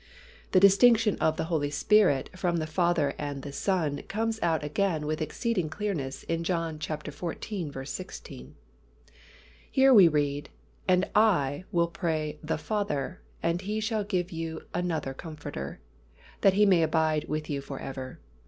The distinction of the Holy Spirit from the Father and the Son comes out again with exceeding clearness in John xiv. 16. Here we read, "And I will pray the Father, and He shall give you another Comforter, that He may abide with you forever."